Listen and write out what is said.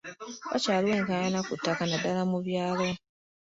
Wakyaliwo enkaayana ku ttaka naddaala mu byalo.